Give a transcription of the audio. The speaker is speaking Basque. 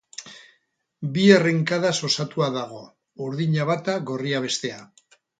Bi errenkadaz osatua dago: urdina bata, gorria bestea.